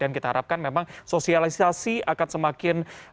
dan kita harapkan memang sosialisasi akan semakin berjalan